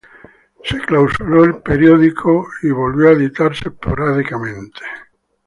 El periódico fue clausurado y volvió a editarse esporádicamente.